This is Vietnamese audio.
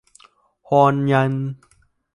Hôn nhân